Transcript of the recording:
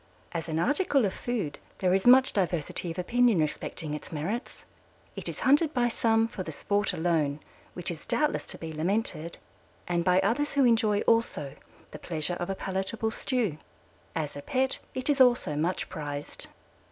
As an article of food there is much diversity of opinion respecting its merits. It is hunted by some for the sport alone, which is doubtless to be lamented, and by others who enjoy also the pleasure of a palatable stew. As a pet it is also much prized.